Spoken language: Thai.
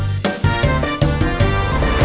ส่วนหลัก